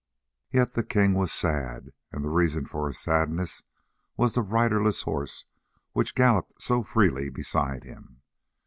Yet the king was sad, and the reason for his sadness was the riderless horse which galloped so freely beside him.